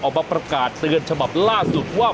ออกมาประกาศเตือนฉบับล่าสุดว่า